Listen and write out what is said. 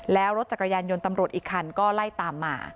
แล้วรถจักรยานยนต์ตำรวจอีกคันก็ไล่ตามมา